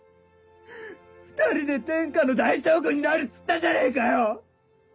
２人で天下の大将軍になるっつったじゃねえかよ！